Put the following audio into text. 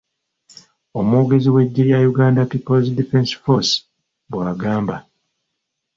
Omwogezi w'Eggye lya Uganda People's Defence Force bw'agamba.